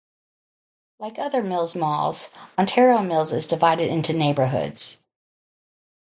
Like other Mills malls, Ontario Mills is divided into neighborhoods.